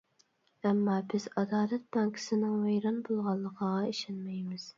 ئەمما بىز ئادالەت بانكىسىنىڭ ۋەيران بولغانلىقىغا ئىشەنمەيمىز.